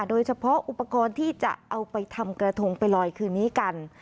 โดยเฉพาะอุปกรณ์ที่จะเอาไปทำกระทงไปลอยคืนนี้กัน